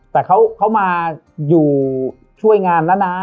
แต่เขามาอยู่ช่วยงานแล้วนะ